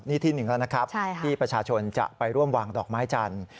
นี่ที่หนึ่งแล้วนะครับที่ประชาชนจะไปร่วมวางดอกไม้จันทร์